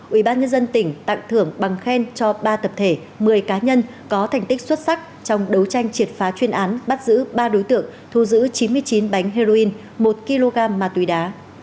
ubnd tỉnh tặng thưởng bằng khen cho ba tập thể một mươi cá nhân có thành tích xuất sắc trong đấu tranh triệt phá chuyên án bắt giữ ba đối tượng thu giữ chín mươi chín bánh heroin một kg ma túy đá